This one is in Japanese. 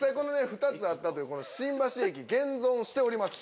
２つあったという新橋駅現存しております。